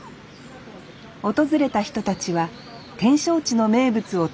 訪れた人たちは展勝地の名物を楽しみにしています